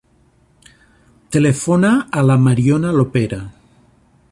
Telefona a la Mariona Lopera.